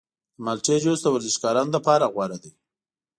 د مالټې جوس د ورزشکارانو لپاره غوره دی.